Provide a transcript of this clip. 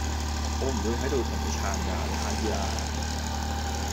我唔會喺度同你撐㗎，你慳啲啦